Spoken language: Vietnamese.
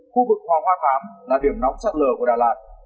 khu vực hoa hoa phám là điểm nóng sạt lở của đà lạt